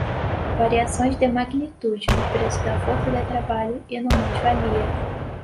Variações de magnitude no preço da força de trabalho e na mais-valia